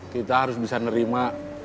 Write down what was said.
kita harus bisa nerima